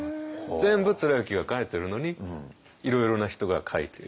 全部貫之が書いてるのにいろいろな人が書いている。